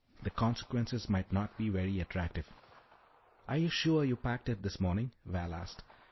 The consequences might not be very attractive." "Are you sure you packed it this morning?" Val asked.